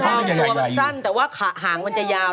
คือตัวมันชันแต่หางมันจะยาว